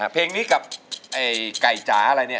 เพลงนี้กับไก่จ๋าอะไรเนี่ย